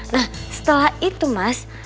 nah setelah itu mas